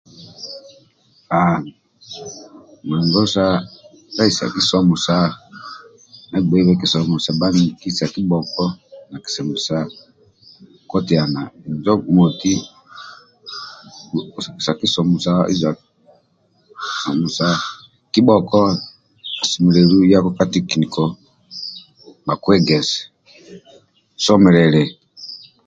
Haa mulingo sa sa isa kisomo sa ndia agbeibe kisomo sa bhaniki sa kibhoko na kisomo sa bhokotiana injo moti sa kisomo sa isa sa isa kisomo sa kisomo sa bhokotiana kibhoko osemelelubl iyako ka tekeniko bhakuegese osomilile